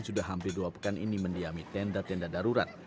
sudah hampir dua pekan ini mendiami tenda tenda darurat